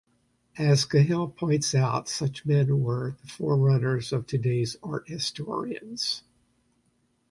As Cahill points out, such men were the forerunners of today's art historians.